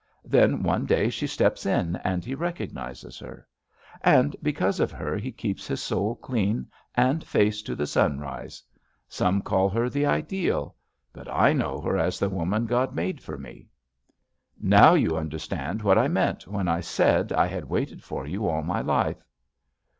Then one day she steps in and he recognizes her. And because of her he keeps his soul clean and face to the sunrise. Some call her the Ideal. But I know her as the woman God made for me. Now you un derstand what I meant when I said I had waited for you all my life."